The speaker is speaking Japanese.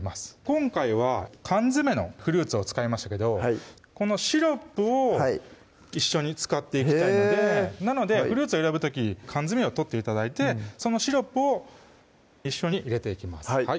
今回は缶詰のフルーツを使いましたけどこのシロップを一緒に使っていきたいのでなのでフルーツを選ぶ時缶詰を取って頂いてそのシロップを一緒に入れていきます